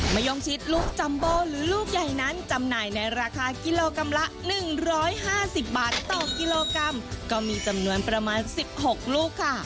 ย่องชิดลูกจัมโบหรือลูกใหญ่นั้นจำหน่ายในราคากิโลกรัมละ๑๕๐บาทต่อกิโลกรัมก็มีจำนวนประมาณ๑๖ลูกค่ะ